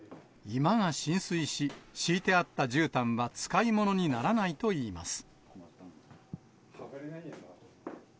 居間が浸水し、敷いてあったじゅうたんは使い物にならないといいます。